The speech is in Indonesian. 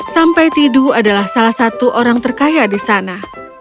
sampai tidu adalah salah satu orang terkaya di sana